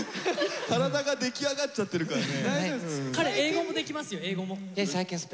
体が出来上がっちゃってるからね。